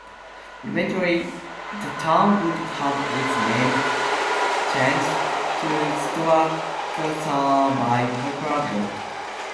Eventually, the town would have its name changed to Struthers by popular vote.